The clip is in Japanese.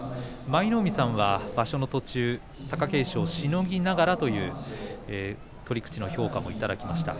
舞の海さんは場所の途中で貴景勝をしのぎながらと取り口の評価もいただきました。